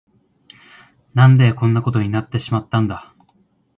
何でこんなことになってしまったんだ。